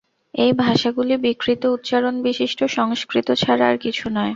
এই ভাষাগুলি বিকৃত উচ্চারণ-বিশিষ্ট সংস্কৃত ছাড়া আর কিছু নয়।